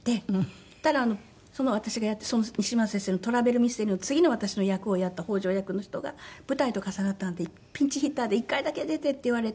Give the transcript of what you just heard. そしたら私がやったその西村先生の『トラベルミステリー』の次の私の役をやった北条役の人が「舞台と重なったのでピンチヒッターで１回だけ出て」って言われて。